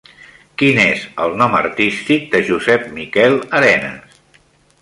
Quin és el nom artístic de Josep Miquel Arenes?